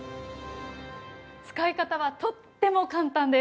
使い方はとっても簡単です。